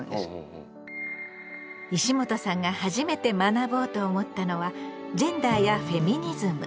石本さんが初めて学ぼうと思ったのはジェンダーやフェミニズム。